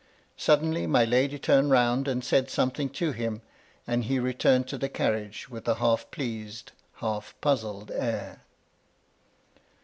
Suddenly my lady turned round, and said something to him, and he returned to the carriage with a half pleased, half puzzled air.